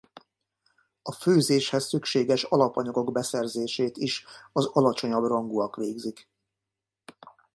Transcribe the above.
A főzéshez szükséges alapanyagok beszerzését is az alacsonyabb rangúak végzik.